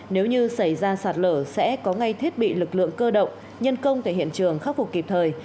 nếu như xảy ra sạt lở sẽ có ngay thiết bị lực lượng cơ động nhân công tại hiện trường khắc phục kịp thời